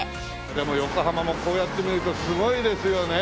でも横浜もこうやって見るとすごいですよね！